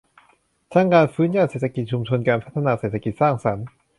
ทั้งการฟื้นย่านเศรษฐกิจชุมชน การพัฒนาเศรษฐกิจสร้างสรรค์